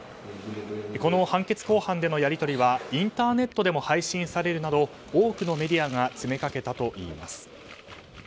この判決公判でのやり取りはインターネットでも配信されるなど多くのメディアが詰めかけたといいます。